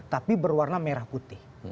tapi berwarna merah putih